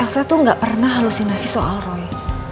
saya tuh gak pernah halusinasi soal roy